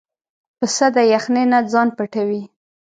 پسه د یخنۍ نه ځان پټوي.